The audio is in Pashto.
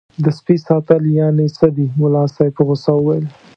د سپي ساتل یعنې څه دي ملا صاحب په غوسه وویل.